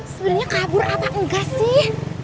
sebenarnya kabur apa enggak sih